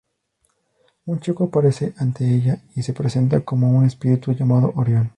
Un chico aparece ante ella y se presenta como un espíritu llamado Orión.